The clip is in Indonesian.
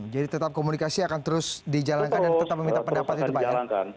jadi tetap komunikasi akan terus dijalankan dan tetap meminta pendapat itu pak ya